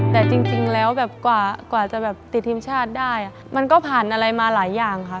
แต่จริงแล้วแบบกว่าจะแบบติดทีมชาติได้มันก็ผ่านอะไรมาหลายอย่างค่ะ